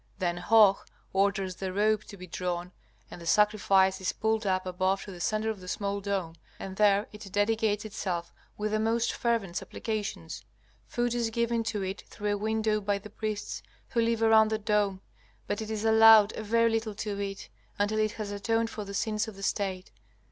Then Hoh orders the ropes to be drawn and the sacrifice is pulled up above to the centre of the small dome, and there it dedicates itself with the most fervent supplications. Food is given to it through a window by the priests, who live around the dome, but it is allowed a very little to eat, until it has atoned for the sins of the State.